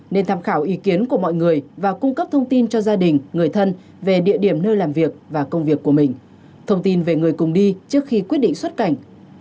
nên tham khảo ý kiến của mọi người và cung cấp thông tin cho gia đình người thân về địa điểm nơi làm việc và công việc của mình thông tin về người cùng đi trước khi quyết định xuất cảnh